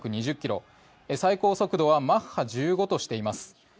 最高速度はマッハ１５としています。